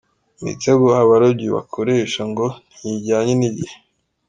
Imitego abarobyi bakoresha ngo ntijyanye n’igihe.